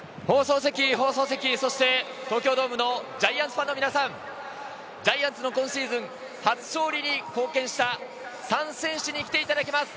放送席、そして東京ドームのジャイアンツファンの皆さん、ジャイアンツの今シーズン初勝利に貢献した３選手に来ていただきます。